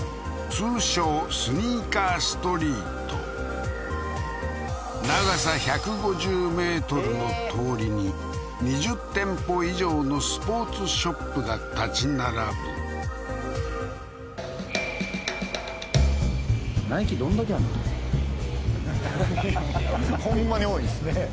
通称スニーカーストリート長さ１５０ｍの通りに２０店舗以上のスポーツショップが建ち並ぶナイキどんだけあんねんははははっほんまに多いんですねえ